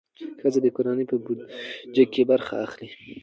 ښځې د کورنۍ په بودیجه کې برخه اخلي.